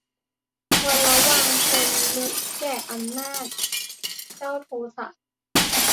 ควรระวังคนลุแก่อำนาจ เจ้าโทสะ